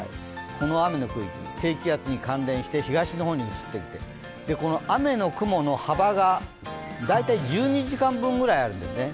この雨の区域、低気圧に関連して東の方に移っていって雨の雲の幅が大体１２時間分ぐらいあるんですね。